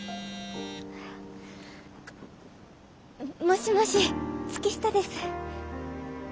もしもし月下です。